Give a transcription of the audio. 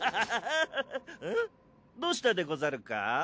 どうしたでござるか？